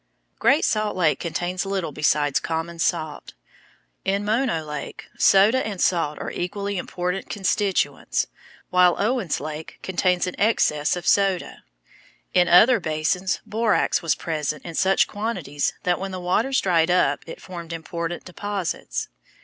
Great Salt Lake contains little besides common salt. In Mono Lake, soda and salt are equally important constituents, while Owens Lake contains an excess of soda. In other basins borax was present in such quantities that when the waters dried up it formed important deposits.